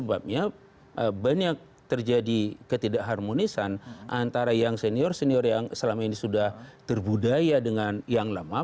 karena banyak terjadi ketidak harmonisan antara yang senior senior yang selama ini sudah terbudaya dengan yang lama